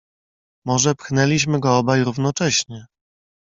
"Może pchnęliśmy go obaj równocześnie."